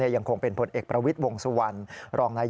ยังคงเป็นผลเอกประวิทย์วงสุวรรณรองนาย